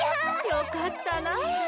よかったな。